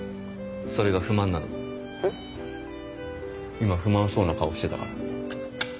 今不満そうな顔してたから。